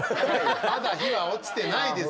まだ日は落ちてないですから。